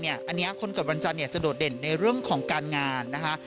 อันนี้คนเกิดวันจันทร์จะโดดเด่นในเรื่องของการงานนะคะ